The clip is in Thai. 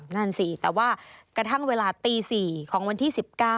นั่นสิแต่ว่ากระทั่งเวลาตี๔ของวันที่๑๙